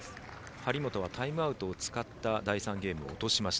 張本はタイムアウトを使った第３ゲームを落としました。